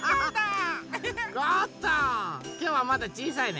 きょうはまだちいさいね。